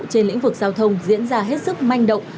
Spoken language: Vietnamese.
trên lĩnh vực giao thông diễn ra hết sức manh động